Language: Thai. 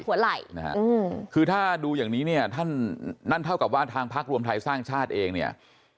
หัวไหล่นะฮะคือถ้าดูอย่างนี้เนี่ยท่านนั่นเท่ากับว่าทางพักรวมไทยสร้างชาติเองเนี่ย